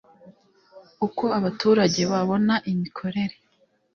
Uko abaturage babona imikorere